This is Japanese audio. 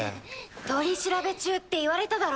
取り調べ中って言われただろ。